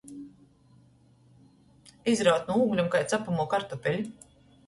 Izraut nu ūglem kai capamū kartupeli.